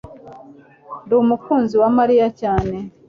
ndi umukunzi wa mariya cyane